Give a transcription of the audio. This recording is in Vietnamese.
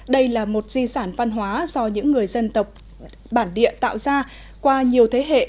đây là một di sản văn hóa do những người dân tộc bản địa tạo ra qua nhiều thế hệ